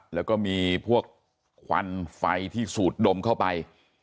แล้วก็มีพวกควันไฟที่สูดดมเข้าไป